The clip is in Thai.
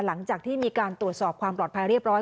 หลังจากที่มีการตรวจสอบความปลอดภัยเรียบร้อย